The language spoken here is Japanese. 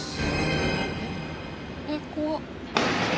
えっ怖っ。